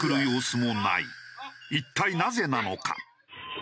一体なぜなのか？